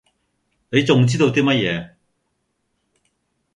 你仲知道啲乜野？